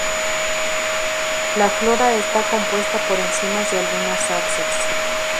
La flora está compuesta por encinas y algunas zarzas.